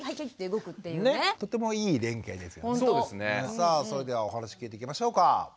さあそれではお話聞いていきましょうか。